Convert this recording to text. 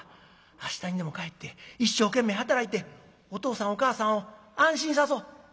明日にでも帰って一生懸命働いてお父さんお母さんを安心さそう」。